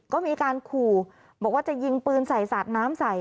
ก็มีการขู่บอกว่าจะยิงปืนใส่สาดน้ำใส่